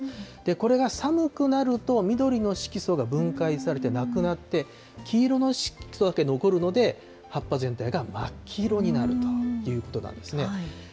これが寒くなると、緑の色素が分解されてなくなって、黄色の色素だけ残るので、葉っぱ全体が真っ黄色になるということなんですね。